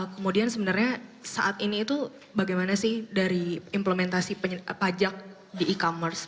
kemudian sebenarnya saat ini itu bagaimana sih dari implementasi pajak di e commerce